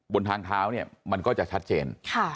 บนทางท้าวมันก็จะแชทเจน